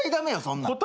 そんなん。